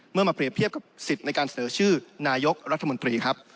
มาเปรียบเทียบกับสิทธิ์ในการเสนอชื่อนายกรัฐมนตรีครับ